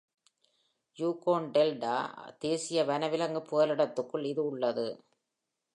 Yukon Delta தேசிய வனவிலங்கு புகலிடத்திற்குள் இது உள்ளது.